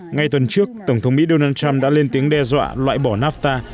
ngay tuần trước tổng thống mỹ donald trump đã lên tiếng đe dọa loại bỏ nafta